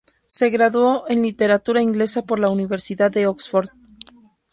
Se graduó en Literatura inglesa por la Universidad de Oxford.